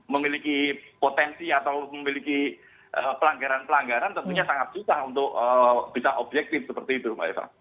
memiliki potensi atau memiliki pelanggaran pelanggaran tentunya sangat susah untuk bisa objektif seperti itu mbak eva